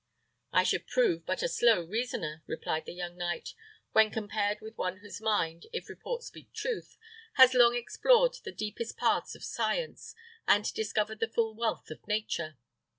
"I should prove but a slow reasoner," replied the young knight, "when compared with one whose mind, if report speak truth, has long explored the deepest paths of science, and discovered the full wealth of nature."